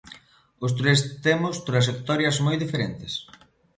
Os tres temos traxectorias moi diferentes.